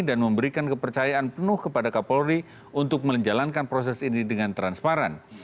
dan memberikan kepercayaan penuh kepada kapolri untuk menjalankan proses ini dengan transparan